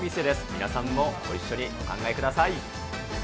皆さんもご一緒にお考えください。